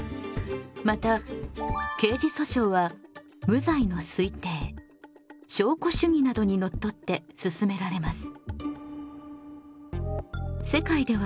また刑事訴訟は無罪の推定証拠主義などにのっとって進められます。